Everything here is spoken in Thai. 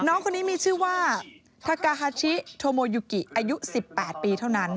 น้องคนนี้มีชื่อว่าทากาฮาชิโทโมยุกิอายุ๑๘ปีเท่านั้น